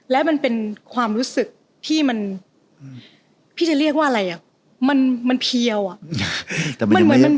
และมันเป็นความรู้สึกที่มันพี่จะเรียกว่าอะไรอะมันมันเพียวอะแต่มันยังไม่มันมัน